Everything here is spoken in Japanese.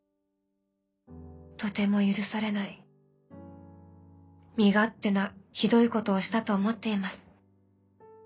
とても許されない身勝手なひどいことをしたと思っています。